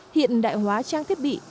hiện đại hóa trang thiết bị